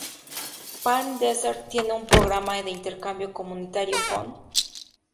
Palm Desert tiene un programa de intercambio comunitario con